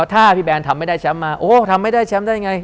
ถ้าพี่แบนทำไม่ได้แชมป์มาโอ้ทำไม่ได้แชมป์ได้ไง